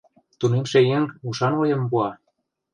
Тунемше еҥ ушан ойым пуа.